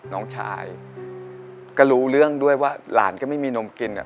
น้องชายก็รู้เรื่องด้วยว่าหลานก็ไม่มีนมกิน